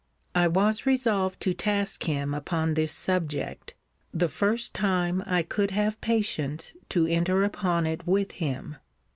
I was resolved to task him upon this subject, the first time I could have patience to enter upon it with him.